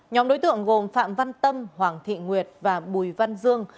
nhóm đối tượng gồm phạm văn tâm hoàng thị nguyệt và bùi văn dương